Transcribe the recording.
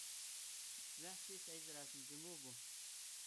ۋەھشىي پەيزى رەسىم جۇمۇ بۇ!